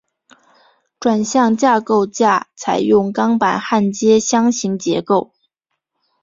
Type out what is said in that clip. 转向架构架采用钢板焊接箱型结构。